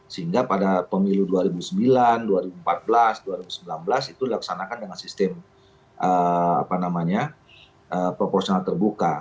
sehingga pada pemilu dua ribu sembilan dua ribu empat belas dua ribu sembilan belas itu dilaksanakan dengan sistem proporsional terbuka